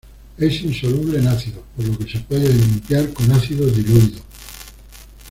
Es insoluble en ácidos, por lo que se puede limpiar con ácidos diluidos.